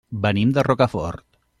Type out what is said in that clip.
Venim de Rocafort.